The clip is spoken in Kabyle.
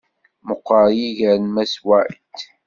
Meqqeṛ yiger n Mass White.